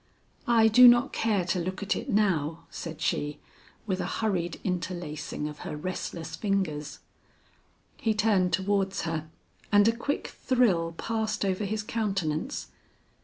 "I do not care to look at it now," said she, with a hurried interlacing of her restless fingers. He turned towards her and a quick thrill passed over his countenance.